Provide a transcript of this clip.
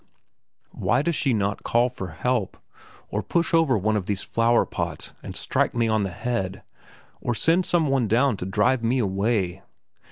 Why does she not call for help, or push over one of these flower pots and strike me on the head, or send some one down to drive me away?